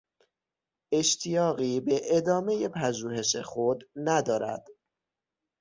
اشتیاقی به ادامهی پژوهش خود ندارد.